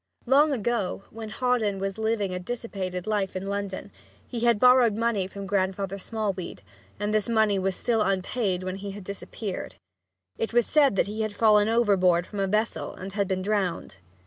Long ago, when Hawdon was living a dissipated life in London, he had borrowed money from Grandfather Smallweed, and this money was still unpaid when he had disappeared. It was said that he had fallen overboard from a vessel and had been drowned.